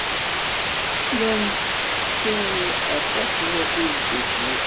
Llan ttekken aṭas n wakud ddukkli.